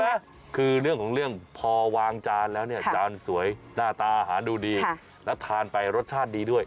คือเรื่องของเรื่องพอวางจานแล้วเนี่ยจานสวยหน้าตาหาดูดีแล้วทานไปรสชาติดีด้วย